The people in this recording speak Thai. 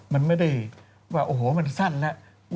มันไม่ได้ว่าโอ้โหมันสั้นแล้ว